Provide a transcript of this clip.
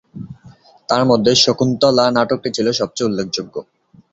তার মধ্যে শকুন্তলা নাটকটি ছিল সবচেয়ে উল্লেখযোগ্য।